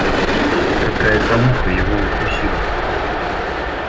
Какая-то муха его укусила.